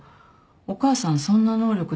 お母さんそんな能力ないもん。